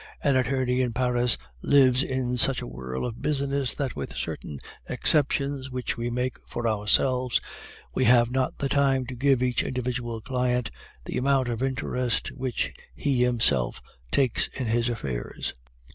An attorney in Paris lives in such a whirl of business that with certain exceptions which we make for ourselves, we have not the time to give each individual client the amount of interest which he himself takes in his affairs.